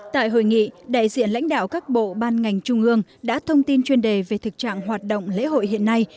tại hội nghị đại diện lãnh đạo các bộ ban ngành trung ương đã thông tin chuyên đề về thực trạng hoạt động lễ hội hiện nay